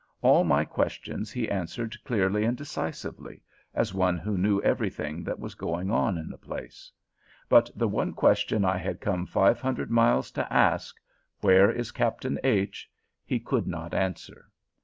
All my questions he answered clearly and decisively, as one who knew everything that was going on in the place. But the one question I had come five hundred miles to ask, Where is Captain H.? he could not answer.